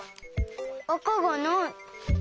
あかがない。